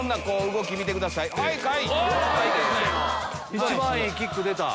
一番いいキック出た。